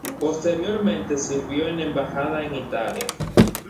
Posteriormente sirvió en la Embajada en Italia.